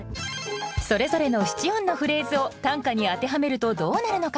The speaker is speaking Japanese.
それぞれの七音のフレーズを短歌に当てはめるとどうなるのか。